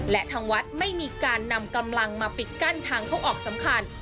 และทางวัดไม่มีการนำกำลังมาปิดกั้นทางเข้าออกสำคัญ